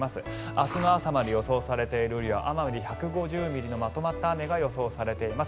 明日の朝までに予想されている雨量奄美で１５０ミリのまとまった雨が予想されています。